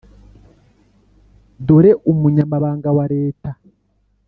dore umunyamabanga wa leta,